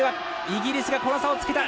イギリスが、この差をつけた。